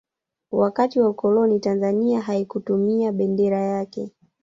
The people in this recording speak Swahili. wakati wa ukoloni tanzania haikutumia bendera yake